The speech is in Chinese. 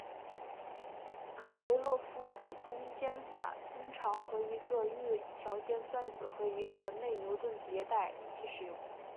克雷洛夫子空间法通常和一个预条件算子和一个内牛顿迭代一起使用。